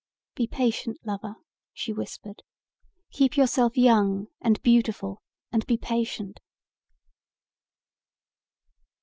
"Be patient, lover," she whispered. "Keep yourself young and beautiful and be patient."